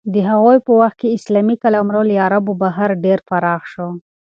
د هغوی په وخت کې اسلامي قلمرو له عربو بهر ډېر پراخ شو.